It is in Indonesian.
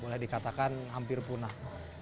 boleh dikatakan hampir punah